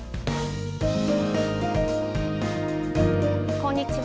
こんにちは。